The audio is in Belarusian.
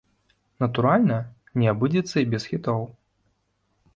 Натуральна, не абыдзецца і без хітоў.